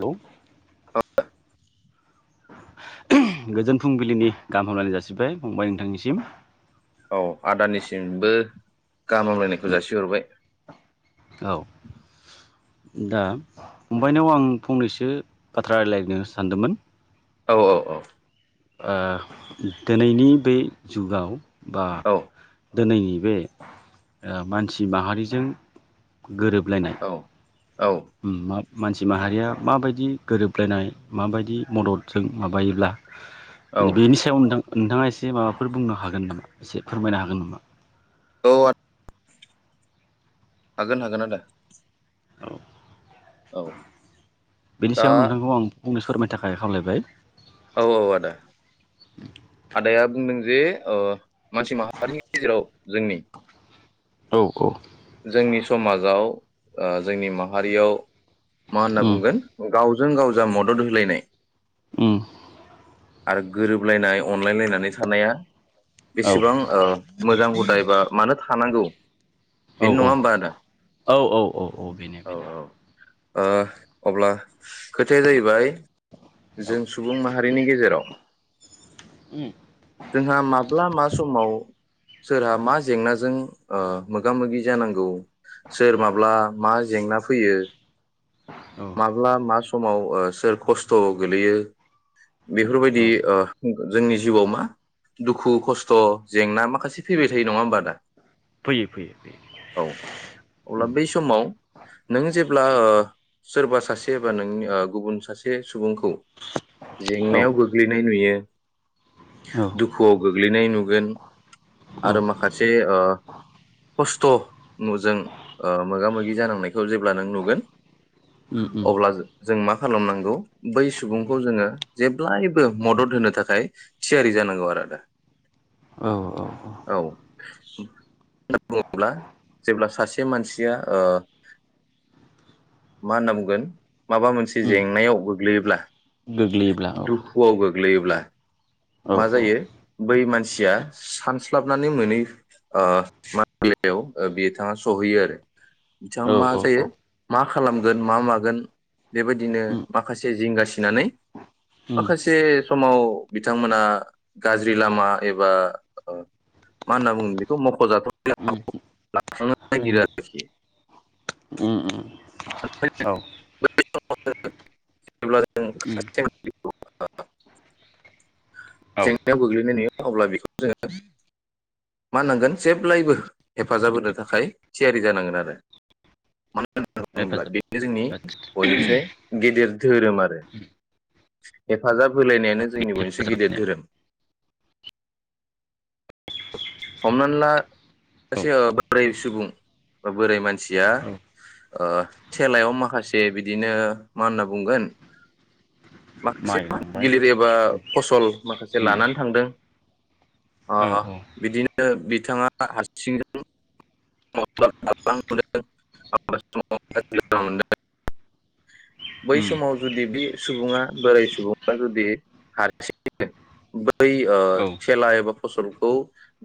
Hello गोजोन फुंबिलिनि गाहाम हामलायनाय जासिबाय फंबाय नोंथांनिसिम। गाहामलायनायखौ जासिहरबाय। औ। दा फंबायनाव आं फंनैसो बाथ्रा राय्लायनो सानदोंमोन। औ औ औ। ओ दिनैनि बे जुगाव बा। औ दिनैनि बे मानसि माहारिजों गोरोबलायनाय औ म मानसि माहारिया माबायदि गोरोबलायनाय माबायदि मददजों माबायोब्ला औ माने बेनि सायाव नोंथां। नोंथाङा एसे माबाफोर बुंनो हागोन नामा एसे फोरमायनो हागोन नामा? औ आ। हागोन हागोन आदा। औ। औ बेनि दा सायाव नोंथांखौ आं। बुंनो फोरमायनो थाखाय खावलायबाय। औ औ आदा [inaudible] आदाया बुंदों जे ओ मानसि माहारिनि गेजेराव जोंनि औ औ जोंनि समाजाव ओ जोंनि माहारियाव मा होनना उम बुंगोन गाव जों गाव जा मदद होलायनाय। उम आरो गोरोबलायनाय। अनलाय लायनानै थानाया औ बेसेबां ओ मोजां हुदाय एबा मानो थानांगौ। औ औ बेनो नङा होमबा आदा औ औ औ औ बेनो औ बेनो औ ओ अब्ला खोथाया जाहैबाय औ जों सुबुं माहारिनि गेजेराव उम जोंहा माब्ला मा समाव सोरहा मा जेंनाजों ओ मोगा मोगि जानांगौ सोर माब्ला मा जेंना फैयो। औ माब्ला मास समाव ओ सोर खस्थ' गोलैयो। बेफोर बायदि औ ओ जोंनि जिउआव मा दुखु खस्थ' जेंना माखासे फैबाय थायो नङा होमबा आदा फैयो फैयो फैयो औ अब्ला बै समाव नों जेब्ला ओ सोरबा सासे बबा नोंनि ओ गुबुन सासे सुबुंखौ जेंनायाव औ गोग्लैनाय नुयो। औ दुखुआव गोग्लैनाय नुगोन औ आरो माखासे ओ खस थ नजों ओ मोगा मोगि जानांनाय जेब्ला नों नुगोन उम अब्ला जों मा खालामनांगौ बै सुबुंखौ जोङो जेब्लायबो मदद होनो थाखाय। थियारि जानांगौ आरो औ औ औ [unintelligible] बुङोब्ला जेब्ला सासे मानसिया ओ मा होनना बुंगोन। माबा मोनसे उम जेंनायाव गोग गोलैयोब्ला गोग्लैयोब्ला औ गोग्लैयोब्ला औ मा जायो बै मानसिया सानसे। स्लाबनानै मोनै ओ-मायाव ओ- बिथाङा सहैयो आरो। बिथां औ मा औ जायो औ मा? मा खालामगोन मा मागोन। बेबायदिनो उम माखासे जिंगासि नानै उम माखासे समाव। बिथांमोना गाज्रि लामा एबा ओ-मा होनना बुङो बेखौ मख खजाथाव [unintelligible] [unintelligible] उम उम [unintelligible] उम उम औ [unintelligible] जेब्ला उम जों [unintelligible] औ जेंनायाव गोग्लैगोन बियो। अब्ला बेखौ जोङो मा होननांगोन जेब्लायबो हेफाजाब होनो थाखाय थियारि जानांगोन आरो। होनना बुङोब्ला हेफाजाब बेनो जोंनि बयनिफ्राय गेदेर धोरोम आरो। हेफाजाब। होलायनायानो जोंनि बय हेफाजाब गिदिर होनाया धोरोम। हमनानैला। सासे ओ औ बोराय सुबुं। बा बोराय मानसि। या। औ ओ- थेलायाव माखासे बिदिनो मा होनना बुंगोन? माखासे मा माइलांबाय गिलिर एबा फसल माखासे उम लानानै थांदों। औ औ। बिदिनो ओ- बिथाङा हारसिंजों [unintelligible] बै उम समाव जुदि बे सुबुङा। बोराय सुबुंफ्रा जुदि हारसि [unintelligible] बै ओ औ थेला एबा। फसलखौ।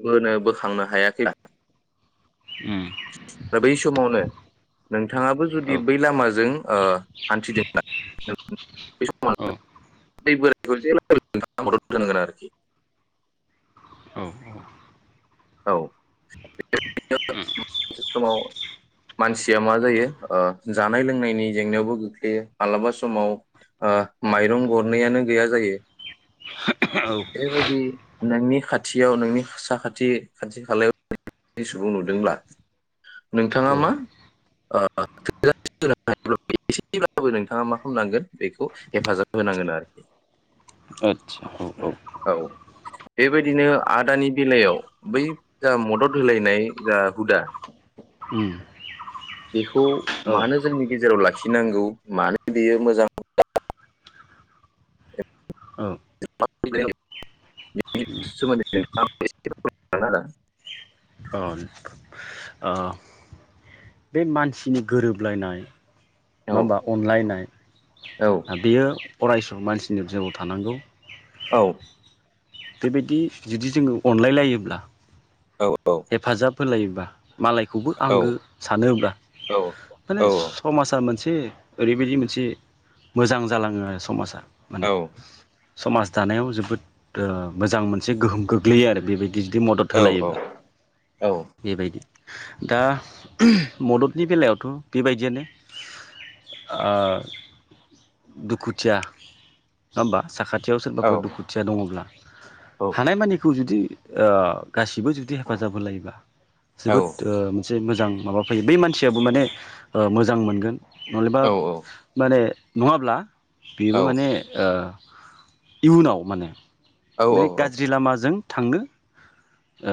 बोनो बोखांनो हायाखै। उम। दा बै समावनो नोंथांङाबो जुदि औ बै लामाजों ओ- हान्थिदों ना औ औ [unintelligible] मदद होनांगोन आरोखि। औ औ [unintelligible] बे समाव मानसिया मा जायो ओ- जानाय लोंनायनि जेंनायावबो गोग्लैयो मालाबा समाव ओ- माइरं गरनैयानो गैया जायो औ बेबायदि नोंनि खाथियाव नोंनि साखाथि। खाथि खालायाव सुबुं नुदोंब्ला नोंथांङा औ मा ओ [unintelligible] एसेब्लाबो नोंथाङा मा खालामनांगोन बेखौ हेफाजाब होनांगोन आरोखि। आदसा औ औ बेबायदिनो आदानि बेलायाव बै जा मदद होलायनाय जा हुदा उम बेखौ औ मानो जोंनि गेजेराव लाखिनांगौ मानो बेयो मोजां [unintelligible] [unintelligible] सोमोन्दै नोंथांङा आंनो एसे [unintelligible] औ औ ओ बे मानसिनि गोरोबलायनाय नंङा होमबा होलाय अनलायनाय औ आ बेयो अरायसम मानसिनि जिउआव थानांगौ। औ बेबायदि जुदि जोंङो अनलाय लायोब्ला औ हेफाजाब होलायोबा मालायखौबो औ आंगो सानोब्ला माने औ समाजा मोनसे से ओरैबायदि मोनसे मोजां जालांङो आरो समाजा। माने औ समाज दानायाव जोबोद ओ मोजां मोनसे गोहोम गोग्लैयो आरो बेबायदि जुदि मदद औ होलायोब्ला। औ बेबायदि दा मददनि बेलायावथ' बेबायदियानो ओ दुखुथिया नङा होमबा? साखाथियाव औ सोरबाफोर दुखुथिया दंङब्ला औ हानायमानिखौ जुदि ओ गासिबो जुदि हेफाजाब होलायोबा जोबोद औ ओ मोनसे मोजां माबा फैयो बै मानसियाबो माने ओ मोजां मोनगोन। नलेबा माने नंङाब्ला बेबो माने ओ इयुनाव माने औ माने गाज्रि लामाजों थांनो ओ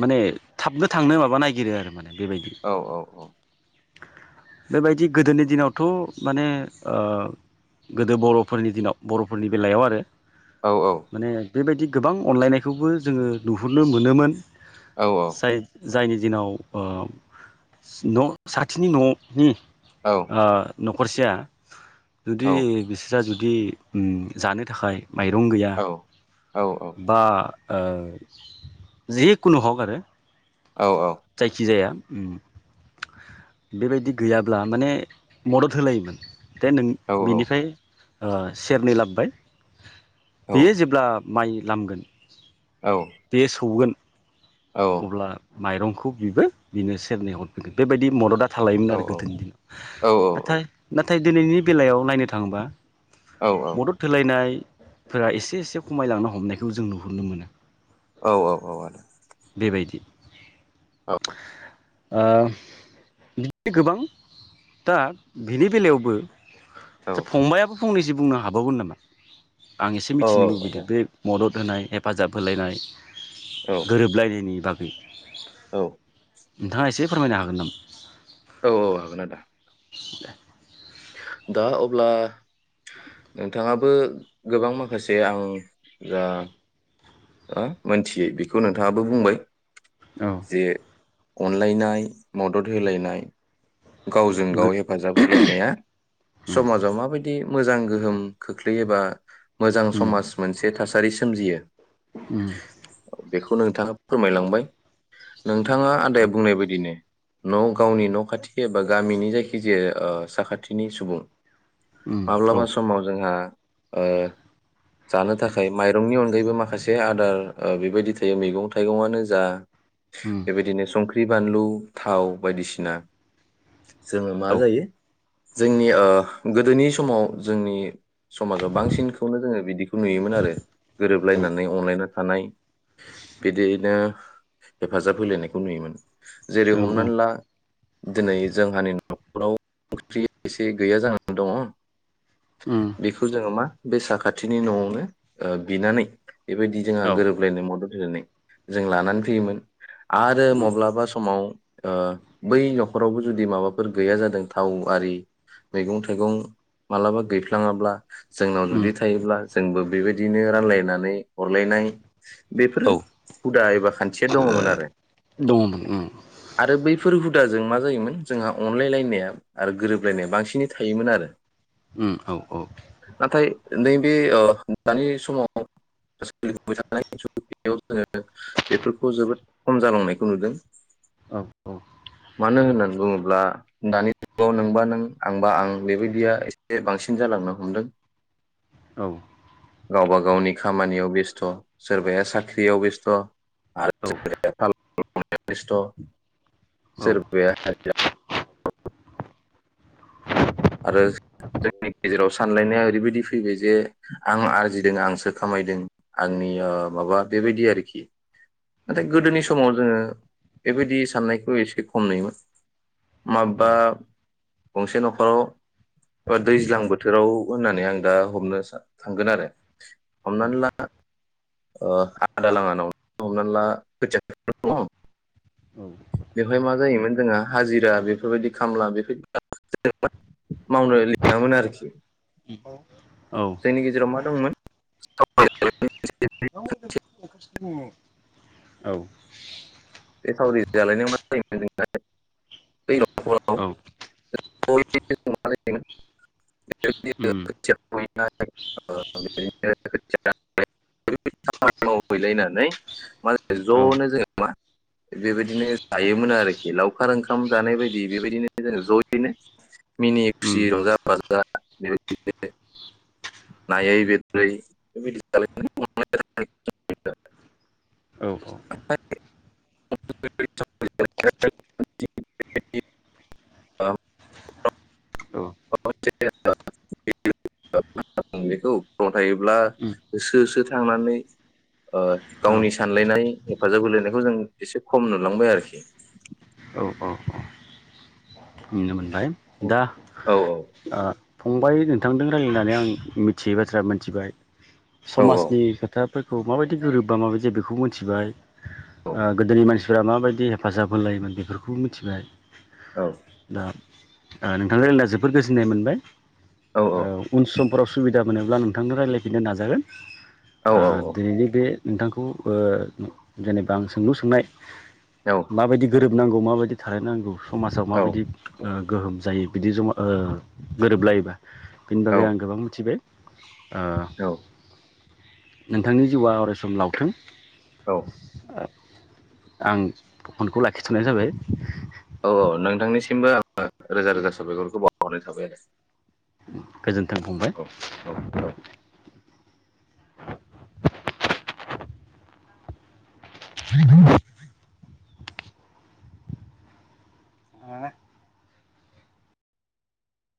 माने थाबनो थांनो माबा नागिरो आरो माने। बेबायदि औ औ औ बेबायदि गोदोनि दिनावथ' माने ओ गोदो बर'फोरनि दिनाव बर'फोरनि बेलायाव आरो औ औ। माने बेबायदि गोबां अनलायनायखौबो जोङो नुहुरनो मोनोमोन। साय जायनि दिनाव ओ न' साथिनि न'नि ओ न'खरसेया जुदि बिस्रा जु बिदि ओम जानो थाखाय माइरं गैया औ बा ओ जिखुनु हक आरो। जायखिजाया। उम बेबायदि गैयाब्ला माने मदद होलायोमोन। दे नों बेनिफाय ओ सेरनै लाबोबाय। बेयो जेब्ला माइ लामगोन। बेयो सौगोन। अब्ला। माइरंखौ बिबो बिनो सेरनै हरफिनगोन बेबायदि मददआ थालायोमोन आरो गोदोनि दिनाव नाथाय थाय दिनैनि बेलायाव नायनो थाङोबा। मदद होलायनाय फोरा एसे एसे खमायलांनो हमनायखौ जों नुहुरनो मोनो। औ औ औ आदा। बेबायदि ओ बिदि गोबां दा बेनि बेलायावबो। दा फंबाइयाबो फंनैसो बुंनो हाबावगोन नामा? आं इसे औ मिथिनो औ लुबैदों बे मदद होनाय हेफाजाब होलायनाय औ गोरोबलायनायनि बागै। औ नोंथाङा एसे फोरमायनो हागोन नामा? औ औ हागोन आदा। [inaudible] दा अब्ला नोंथाङाबो गोबां माखासे आं जा ओ मोनथियै बेखौ नोंथाङाबो बुंबाय। औ जे अनलायनाय, मदद होलायनाय गावजों गो गाव हेफाजाब होलायनाया उम समाजाव माबायदि मोजां गोहोम खोख्लैयो बा मोजां समाज मोनसे थास सारि सोमजियो ओम। बेखौ नोंथाङा फोरमायलांबाय। नोंथाङा आदाया बुंनाय बायदि नो न' गावनि न' खाथि एबा गामिनि जायखिजाया ओ साखाथिनि सुबुं उम औ माब्लाबा समाव जोंहा ओ जानो थाखाय माइरंनि अनगायैबो माखासे आदार ओ बेबायदि थायो मैगं थाइगंआनो जा उम बेबायदिनो संख्रि ख्रि बानलु थाव बायदिसिना जोङो मा औ जायो जोंनि ओ गोदोनि समाव जोंनि समाजाव बांसिनखौनो जोङो बिदिखौ नुयोमोन आरो गोरोबलायनानै अनलायना थानाय बिदिनो हेफाजाब होलायनायखौ नुयोमोन। जेरै हमनानै ला दिनै जोंहानि न'खराव ओंख्रि एसे गैया जानानै दङ बेखौ जोङो मा बे साखाथिनि न'आवनो ओ बिनानै बेबायदि जोंहा औ उम औ गोरोबलायनाय मदद बिनानै जों लानानै फैयोमोन आरो मब्लाबा समाव ओ बै न'खरावबो जुदि माबाफोर गैया जादों थाव आरि मैगं थाइगं मालाबा गैफ्लाङाब्ला जोंनाव उम जुदि थायोब्ला जोंबो बेबायदिनो रानलायनानै हरलायनाय बेफोरो औ हुदा एबा खान्थिया दङमोन आरो, दङमोन उम आरो बै फोर हुदाजों मा जायोमोन जोंहा अनलायलायनाया आरो गोरोबलायनाया बांसिनै थायोमोन आरो। अम औ औ नाथाय नैबे दानि समाव सोलिबोबाय थानाय जोंङो बेफोरखौ जोबोद खम जालांनायखौ नुदों। औ मानो होननानै बुं ङोब्ला दानि जुगाव नोंबा नों आंबा आं बेबायदिया एसे बांसिन जालांनो हमदों। औ गावबा गावनि खामानियाव बेस्थ' सोरबाया साख्रियाव बेस्थ' [unintelligible] [unintelligible] औ सोरबाया हाय [unintelligible] आरो जोंनि गेजेराव सानलायनाया ओरैबायदि फैबाय जे आं आरजिदों आंसो खामायदों आंनि माबा बेबायदि आरो खि नाथाय गोदोनि समाव जोंङो बेबायदि साननायखौ एसे खम नुयोमोन। माबा औ गंसे न'खराव एबा दैज्लां बोथोराव होननानै आं दा हमनो थांगोन आरो। औ हमनानै ला ओ आदा लानावनो हमनानैला खोथिया फोनो दङ औ उम औ उम औ बेहाय मा जायोमोन जोंहा हाजिरा बेफोरबायदि खामला बेफोरबायदि मावनो लिङामोन आरोखि जोंनि गेजेराव मा दंमोन [unintelligible] औ बे सावरि जालायनायाव मा जायो मोन जोंना बै औ [unintelligible] [unintelligible] [unintelligible] ओरैबादि खामानि मावहैलायनानै मान ज'नो जोङो मा बेबायदिनो जायोमोन आरो लावखार ओंखाम जानाय बायदि बेबायदिनो जोङो जयैनो मिनि खुसि रंजा बाजा [unintelligible] औ औ। [unintelligible] औ। [unintelligible] बेखौ गम थायोब्ला होसो होसो थांनानै ओ गावनि सानलायनाय हेफाजाब होलायनायखौ जों एसे खम नुलांबाय आरोखि। औ औ नुनो मो हाय औ दा औ ओ फंबाय नोंथांदों रायलायननानै आं मिथियै बाथ्रा मिथिबाय। औ समाजनि खोथा। फोरखौ माबायदि गोरोबबा माबायदि बेखौ मोनथिबाय। औ ओ गोदोनि मानसि फोरा माबायदि हेफाजाब होलायोमोन बेफोरखौबो मिथिबाय। औ। दा ओ नोंथां रायलायना जोबोद गोजोननाय मोनबाय। औ ऐ उन सम। [unintelligible] सुबिदा मोनोब्ला नोंथांदो रायलायफिननो नाजागोन। औ आ औ दिनैनि बे नोंथांखौ ओ जेनेबा आं सोंलु सोंनाय। माबायदि गोरोब। नांगौ माबायदि थालायनांगौ समा माबायदि ओ गोहोम जायो बिदि जमा ओ गोरोबलायोबा। बिनि बागै औ आं गोबां मिथिबाय। [inaudible] ओ औ नोंथांनि जिउआ अराय सम लावथों। औ। आं फनखौ लाखिथनाय जाबाय। औ औ नोंथांनिसिमबो आं। ओ रोजा रोजा साबायखरखो बाव हरनाय थाबाय आरो। गोजोन्थों फंबाय। औ औ औ [inaudible] [inaudible] मा।